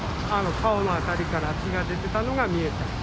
顔の辺りから血が出てたのが見えた。